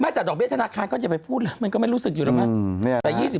ไม่แต่ดอกเบี้ยธนาคารก็อย่าไปพูดแล้วมันก็ไม่รู้สึกอยู่นะครับ